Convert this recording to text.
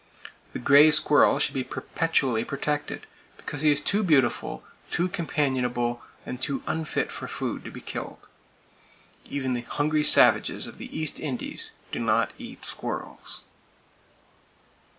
The gray squirrel should be perpetually protected,—because he is too beautiful, too companionable and too unfit for food to be killed. Even the hungry savages of the East Indies do not eat squirrels.